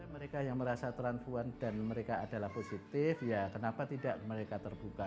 mereka yang merasa transfuan dan mereka adalah positif ya kenapa tidak mereka terbuka